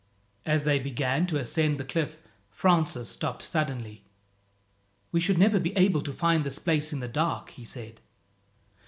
As they began to ascend the cliff, Francis stopped suddenly. "We should never be able to find this place in the dark," he said.